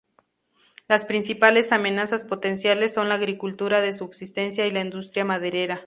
Las principales amenazas potenciales son la agricultura de subsistencia y la industria maderera.